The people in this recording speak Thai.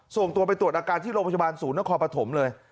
ส่งตัวไปตรวจอาการที่โรงพยาบาลศูนย์นครปฐมเลย